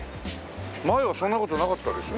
前はそんな事なかったでしょ。